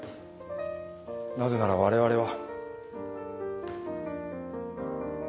なぜなら我々は。